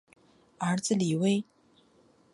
儿子李威。